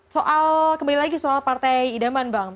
soal kembali lagi soal partai idaman bang